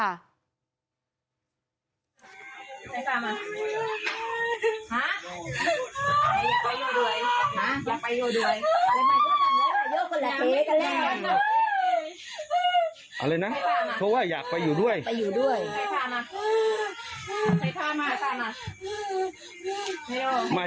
เมื่อไม่ได้มีเรื่องโดยเก็บรอยก็ไม่น่าจะได้